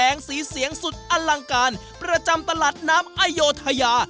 สีเสียงสุดอลังการประจำตลาดน้ำอโยธยา